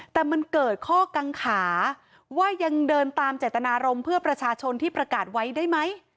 แต่มันเกิดข้อกังขาว่ายังเดินตามเจตนารมณ์เพื่อประชาชนที่ประกาศไว้ได้ไหม